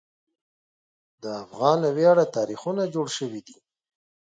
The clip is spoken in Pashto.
د افغان له ویاړه تاریخونه جوړ شوي دي.